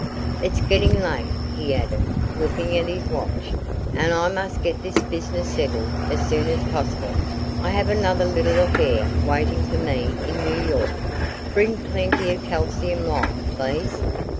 "It's getting late," he added, looking at his watch, "and I must get this business settled as soon as possible; I have another little affair waiting for me in New York. Bring plenty of calcium light, please.